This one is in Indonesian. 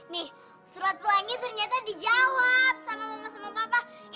nih surat peluangnya ternyata dijawab sama mama sama papa